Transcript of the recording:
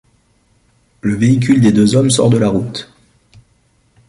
Le véhicule des deux hommes sort de la route.